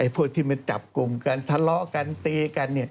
พวกที่มันจับกลุ่มกันทะเลาะกันตีกัน